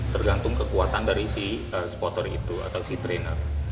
tergantung kekuatan dari si spotter itu atau si trainer